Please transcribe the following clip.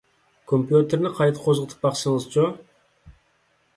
كومپيۇتېرنى قايتا قوزغىتىپ باقسىڭىزچۇ.